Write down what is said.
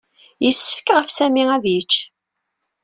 Yessefk ɣef Sami ad yečč.